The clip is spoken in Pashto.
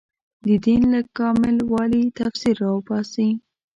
د دین له کامل والي تفسیر راوباسي